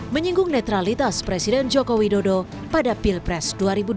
menyinggung netralitas presiden joko widodo pada pilpres dua ribu dua puluh